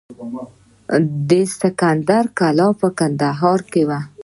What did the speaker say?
د اسکندر کلا په کندهار کې وه